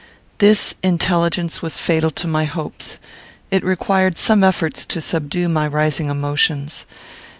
This intelligence was fatal to my hopes. It required some efforts to subdue my rising emotions.